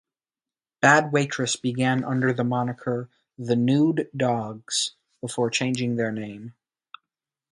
Bad Waitress began under the moniker "The Nude Dogs" before changing their name.